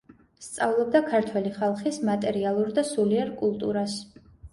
სწავლობდა ქართველი ხალხის მატერიალურ და სულიერ კულტურას.